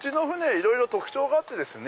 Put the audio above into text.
いろいろ特徴があってですね